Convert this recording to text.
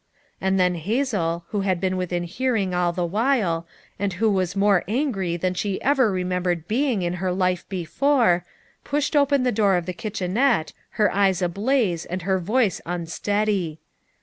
And then Hazel, who had been within hearing all the while, and who was more angry than she ever remembered being in her life before, pushed open the door of the kitchenette, her eyes ablaze and her voice unsteady.